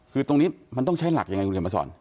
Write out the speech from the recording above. คือตรงนี้มันต้องใช้หลักยังไงคุณเขียนมาสอน